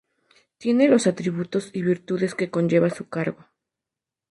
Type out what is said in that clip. Tiene los atributos y virtudes que conlleva su cargo.